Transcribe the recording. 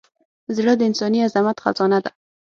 زړه د انساني عظمت خزانه ده.